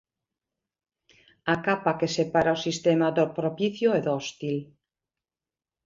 A capa que separa o sistema do propicio e do hostil.